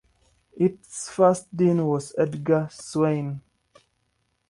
Its first dean was Edgar Swain.